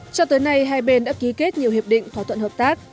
cho tới nay hai bên đã ký kết nhiều hiệp định thỏa thuận hợp tác